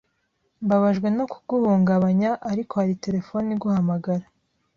Mbabajwe no kuguhungabanya, ariko hari terefone iguhamagara.